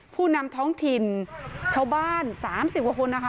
ผู้นำท้องถิ่นชาวบ้าน๓๐กว่าคนนะคะ